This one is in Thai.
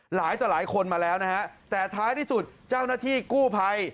หลายคนมาแล้วนะฮะแต่ท้ายที่สุดเจ้าหน้าที่กู้ภัย